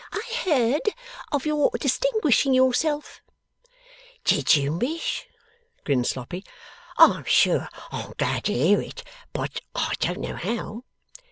I heard of your distinguishing yourself.' 'Did you, Miss?' grinned Sloppy. 'I am sure I am glad to hear it, but I don't know how.